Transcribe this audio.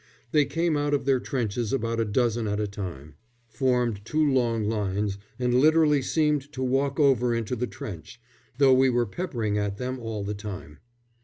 They came out of their trenches about a dozen at a time, formed two long lines, and literally seemed to walk over into the trench, though we were peppering at them all the time.